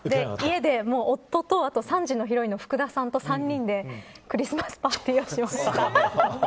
家で夫と３時のヒロインの福田さんと３人でクリスマスパーティーをしました。